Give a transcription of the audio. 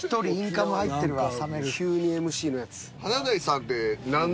急にＭＣのやつ。